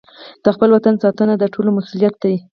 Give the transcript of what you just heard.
د خپل وطن ساتنه د ټولو مسوولیت دی.